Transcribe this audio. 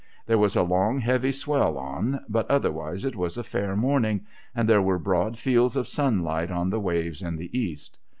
There was a long heavy swell on, but otherwise it was a fair morning, and there were broad fields of sunlight on the waves in the east.